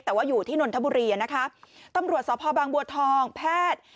แต่ว่าอยู่ที่นนทบุรีนะคะตำรวจสพบางบัวทองแพทย์